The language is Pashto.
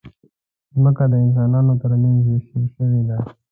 مځکه د انسانانو ترمنځ وېشل شوې ده.